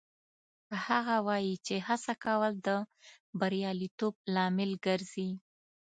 هغه وایي چې هڅه کول د بریالیتوب لامل ګرځي